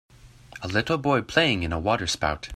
A little boy playing in a water spout.